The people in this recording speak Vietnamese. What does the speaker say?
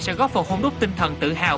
sẽ góp phần hôn đúc tinh thần tự hào